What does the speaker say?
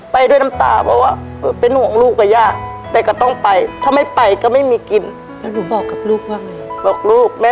ไปใหม่ร้องไห้ทุกวันเลยมั้ย